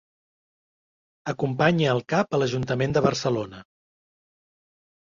Acompanya el cap a l'Ajuntament de Barcelona.